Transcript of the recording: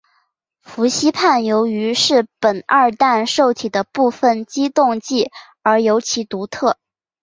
氟西泮由于是苯二氮受体的部分激动剂而尤其独特。